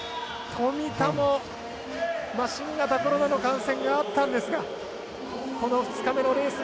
富田も新型コロナの感染があったんですがこの２日目のレース